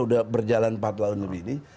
sudah berjalan empat tahun lebih ini